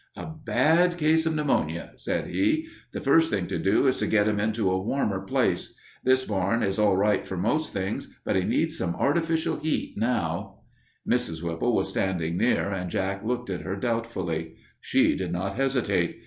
"A bad case of pneumonia," said he. "The first thing to do is to get him into a warmer place. This barn is all right for most things, but he needs some artificial heat now." Mrs. Whipple was standing near, and Jack looked at her doubtfully. She did not hesitate.